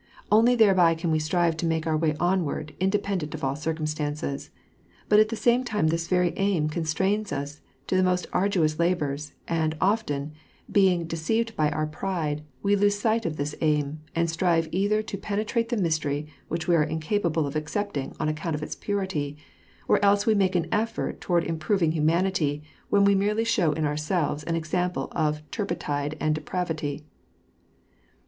Only thereby can we strive and make our way onward, independent of all circumst^uices. But at the same time this very aim constrains us to the most arduous labors, and often, being de ceived by our pride, we lose sight of this aim, and strive either to pene trate the mystery which we are incapable of accepting on account of its purity, or else we make an effort toward improving humanity, when we merely show in ourselves an example of turpitude and depravity.